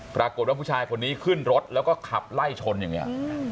ปรากฏว่าผู้ชายคนนี้ขึ้นรถแล้วก็ขับไล่ชนอย่างนี้